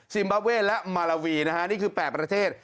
ซิมบับเว่และมาลาวีนี่คือ๘ประเทศ